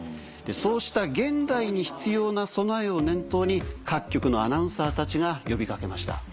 そうした現代に必要な備えを念頭に各局のアナウンサーたちが呼び掛けました。